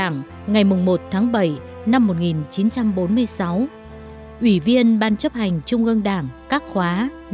ngày một tháng bảy năm một nghìn chín trăm bốn mươi sáu ủy viên ban chấp hành trung ương đảng các khóa năm sáu bảy tám